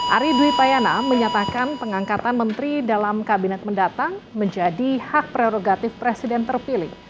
ari dwi payana menyatakan pengangkatan menteri dalam kabinet mendatang menjadi hak prerogatif presiden terpilih